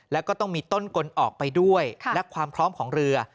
แล้วก็ต้องมีต้นกลออกไปด้วยและความพร้อมของเรือ